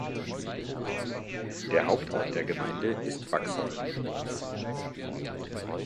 Der Hauptort der Gemeinde ist Vaxholm.